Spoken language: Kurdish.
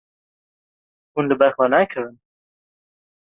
Hûn li ber xwe nakevin.